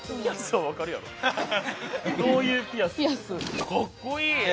かっこいい！